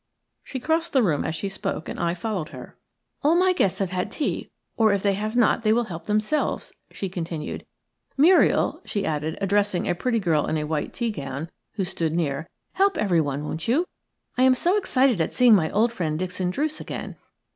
She crossed the room as she spoke, and I followed her. "All my guests have had tea, or if they have not they will help themselves," she continued. "Muriel," she added, addressing a pretty girl in a white tea gown, who stood near, "help everyone, won't you? I am so excited at seeing my old friend, Dixon Druce, again.